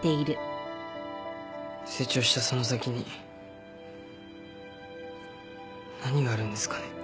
成長したその先に何があるんですかね。